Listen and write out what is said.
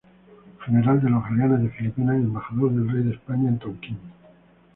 General de los galeones de Filipinas y embajador del rey de España en Tonkín.